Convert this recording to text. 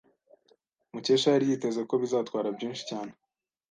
Mukesha yari yiteze ko bizatwara byinshi cyane.